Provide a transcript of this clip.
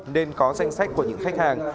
nên có danh sách của những khách hàng